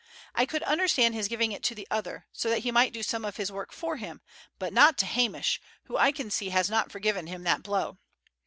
I could understand his giving it to the other, so that he might do some of his work for him, but not to Hamish, who I can see has not forgiven him that blow."